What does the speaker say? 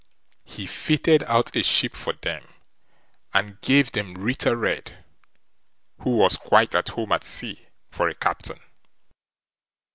He fitted out a ship for them, and gave them Ritter Red, who was quite at home at sea, for a captain.